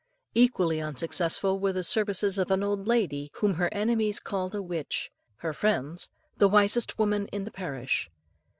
Equally unsuccessful were the services of an old lady, whom her enemies called a witch, her friends "the wisest woman in the parish."